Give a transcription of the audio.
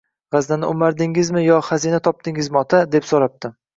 – G‘aznani o‘mardingizmi yo xazina topdingizmi, ota? – deb so‘rabdi.